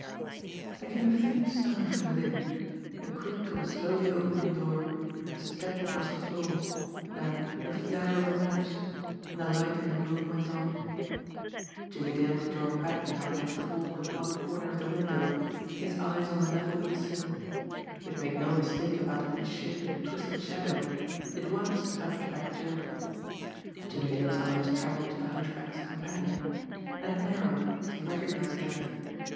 There came a faint sound from within the creak of a slowly opening door, a step across the floor, then the flare of a match, and the light in the room went on. Jimmie Dale was drawn back now against the wall at one corner of the window, his eyes on a level with the sill. He had made no mistake about that misshapen, twisted shadow it was Hunchback Joe. Jimmie Dale's eyes travelled to the hunchback's companion and narrowed as he recognised the other.